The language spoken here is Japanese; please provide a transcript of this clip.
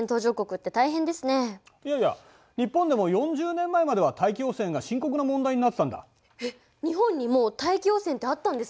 いやいや日本でも４０年前までは大気汚染が深刻な問題になってたんだ。